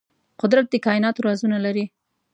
قدرت د کائناتو رازونه لري.